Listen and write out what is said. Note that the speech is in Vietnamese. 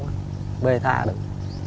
có bê tha được